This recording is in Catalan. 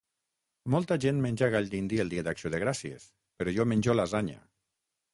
Molta gent menja gall dindi el Dia d'Acció de Gràcies, però jo menjo lasanya.